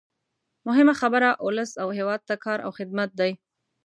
مهمه خبره ولس او هېواد ته کار او خدمت دی.